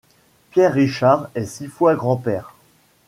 Pierre Richard est six fois grand-père.